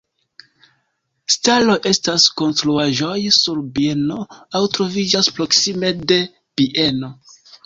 Staloj estas konstruaĵoj sur bieno aŭ troviĝas proksime de bieno.